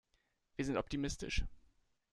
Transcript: Wir sind optimistisch.